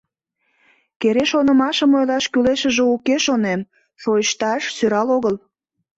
Кере шонымашым ойлаш кӱлешыже уке, шонем, шойышташ — сӧрал огыл.